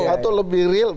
atau lebih real